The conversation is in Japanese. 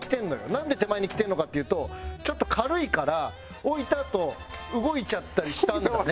なんで手前にきてるのかっていうとちょっと軽いから置いたあと動いちゃったりしたんだね。